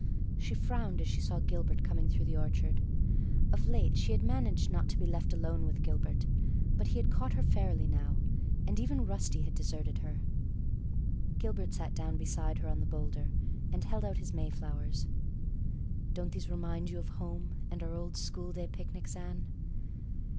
She frowned as she saw Gilbert coming through the orchard. Of late she had managed not to be left alone with Gilbert. But he had caught her fairly now; and even Rusty had deserted her. Gilbert sat down beside her on the boulder and held out his Mayflowers. "Don't these remind you of home and our old schoolday picnics, Anne?"